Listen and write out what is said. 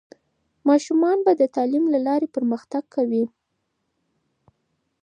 ماشومان به د تعلیم له لارې پرمختګ کوي.